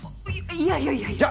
いやいやいやいや。